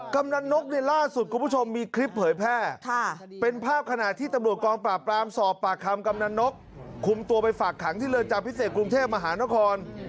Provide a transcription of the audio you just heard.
กำลังนกในล่าสุดคุณผู้ชมมีคลิปเผยแพร่เป็นภาพขณะที่ตำรวจกองปราบปรามสอบปากคำกำนันนกคุมตัวไปฝากขังที่เรือนจำพิเศษกรุงเทพมหานคร